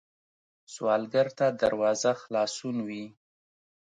سوالګر ته دروازه خلاصون وي